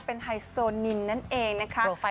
เป็นไฮโซนินนั่นเองนะคะ